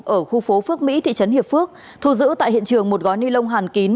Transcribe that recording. ở khu phố phước mỹ thị trấn hiệp phước thu giữ tại hiện trường một gói ni lông hàn kín